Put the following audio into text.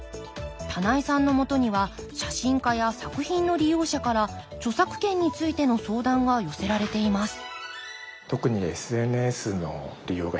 棚井さんのもとには写真家や作品の利用者から著作権についての相談が寄せられています